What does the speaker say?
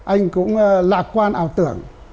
anh cũng lạc quan ảo tưởng